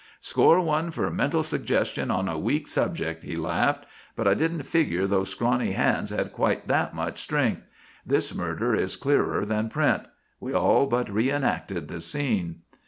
"Score one for mental suggestion on a weak subject," he laughed. "But I didn't figure those scrawny hands had quite that much strength. This murder is clearer than print. We all but re enacted the scene.